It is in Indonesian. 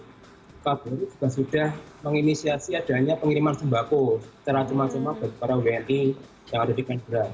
sebenarnya sejauh sebelum ada pengiriman takjil drive thru ini kabur sudah sudah menginisiasi adanya pengiriman sembako secara cuman cuman bagi para bni yang ada di canberra